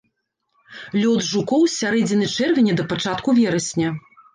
Лёт жукоў з сярэдзіны чэрвеня да пачатку верасня.